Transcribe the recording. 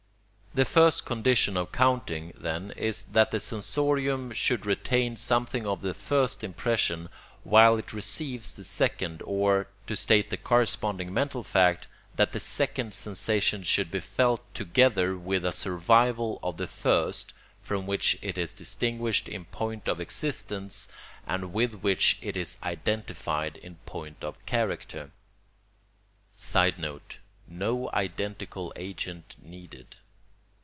The first condition of counting, then, is that the sensorium should retain something of the first impression while it receives the second, or (to state the corresponding mental fact) that the second sensation should be felt together with a survival of the first from which it is distinguished in point of existence and with which it is identified in point of character. [Sidenote: No identical agent needed.